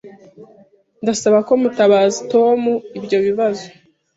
Ndasaba ko mutabaza Tom ibyo bibazo.